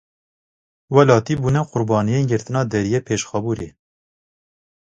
Welatî bûne qurbaniyên girtina deriyê Pêşxabûrê.